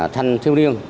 thanh thiếu niên